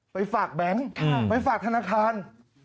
ไปฝากแบงค์ไปฝากธนาคาร